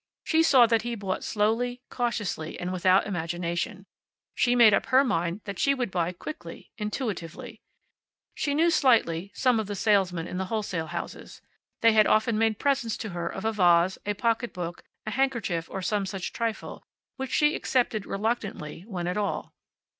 She saw that he bought slowly, cautiously, and without imagination. She made up her mind that she would buy quickly, intuitively. She knew slightly some of the salesmen in the wholesale houses. They had often made presents to her of a vase, a pocketbook, a handkerchief, or some such trifle, which she accepted reluctantly, when at all.